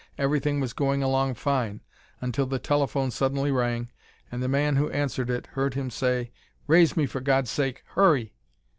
Everything was going along fine until the telephone suddenly rang and the man who answered it heard him say, 'Raise me, for God's sake! Hurry!'